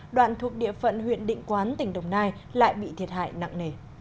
đoạn thuộc địa phận huyện định quán tỉnh đồng nai lại bị thiệt hại nặng nề